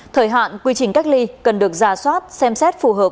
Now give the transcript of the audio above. thời hạn quy trình cách ly cần được giả soát xem xét phù hợp